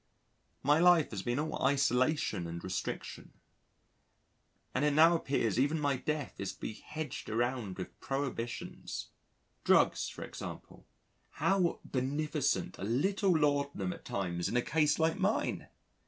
My life has been all isolation and restriction. And it now appears even my death is to be hedged around with prohibitions. Drugs for example how beneficent a little laudanum at times in a case like mine!